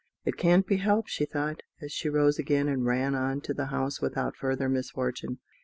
"It can't be helped," she thought, as she rose again, and ran on to the house without further misfortune.